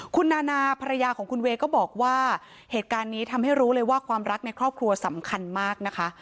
คุณนานาภรรยาของคุณเวย์ก็บอกว่าเหตุการณ์นี้ทำให้รู้เลยว่าความรักในครอบครัวสำคัญมากนะคะ